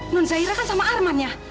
nonzaira kan sama armand ya